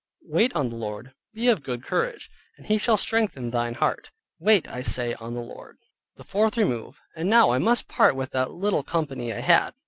"Wait on the Lord, Be of good courage, and he shall strengthen thine Heart, wait I say on the Lord." THE FOURTH REMOVE And now I must part with that little company I had.